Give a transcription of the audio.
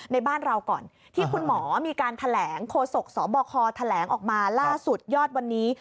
ในบ้านเราก่อนที่คุณหมอมีการแถลงโคศกสบคแถลงออกมาล่าสุดยอดวันนี้